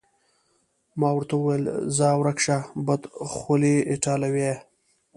ما ورته وویل: ځه ورک شه، بدخولې ایټالویه.